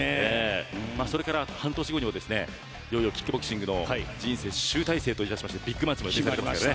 それから半年後にはいよいよキックボクシングの人生の集大成としましてビッグマッチも決まりました。